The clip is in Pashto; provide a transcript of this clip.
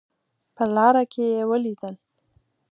په لاره کې ولیدل.